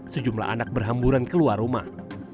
sejumlah anak berhamburan keluar rumah